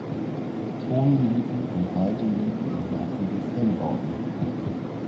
Toni Lüdi und Heidi Lüdi entwarfen die Filmbauten.